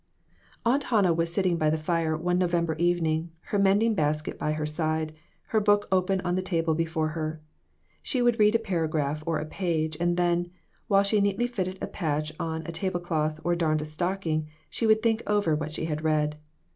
AUNT Hannah was sitting by the fire one November evening, her mending basket by her side, her book open on the table before her. She would read a paragraph or a page, and then, while she neatly fitted a patch on a tablecloth or darned a stocking, she would think over what she had read.